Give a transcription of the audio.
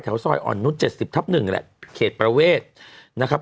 แถวซ่อยอ่อนนุ่นเจ็ดสิบทับหนึ่งแหละเขตประเวทนะครับ